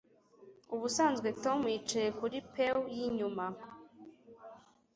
Ubusanzwe Tom yicaye kuri pew yinyuma